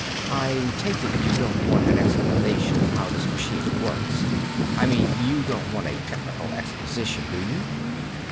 "I take it you don't want an explanation of how this machine works. I mean: you don't want a technical exposition, do you?"